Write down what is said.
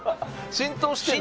浸透してる。